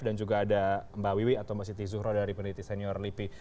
dan juga ada mbak wiby atau mbak siti zuhro dari peneliti senior lipi